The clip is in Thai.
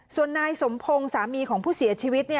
ส่วนนายสมพงศ์สามีของผู้เสียชีวิต